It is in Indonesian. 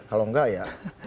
kalau nggak ya